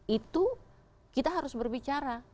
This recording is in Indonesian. itu kita harus berbicara